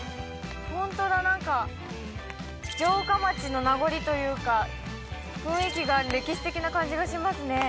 ほんとだなんか城下町の名残というか雰囲気が歴史的な感じがしますね